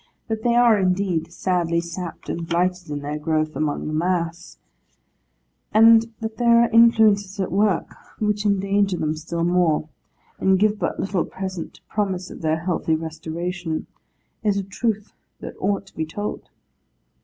That they are, however, sadly sapped and blighted in their growth among the mass; and that there are influences at work which endanger them still more, and give but little present promise of their healthy restoration; is a truth that ought to be told.